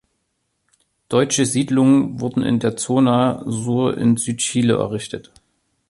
Deutsche Siedlungen wurden in der Zona Sur in Südchile errichtet.